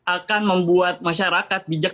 akan membuat masyarakat bijak